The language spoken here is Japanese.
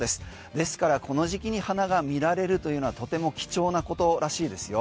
ですから、この時期に花が見られるというのはとても貴重なことらしいですよ。